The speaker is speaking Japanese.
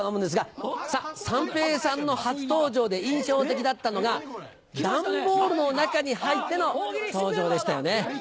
三平さんの初登場で印象的だったのが段ボールの中に入っての登場でしたよね。